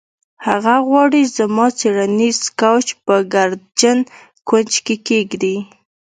هغه غواړي زما څیړنیز کوچ په ګردجن کونج کې کیږدي